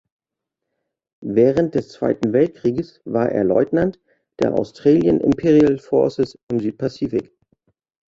Während des Zweiten Weltkrieges war er Leutnant der Australian Imperial Forces im Südpazifik.